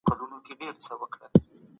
د نورو پر خبرو ډېر تکیه مه کوئ.